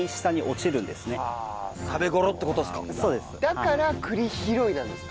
だから「栗拾い」なんですか。